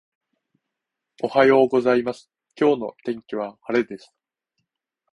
おはようございます、今日の天気は晴れです。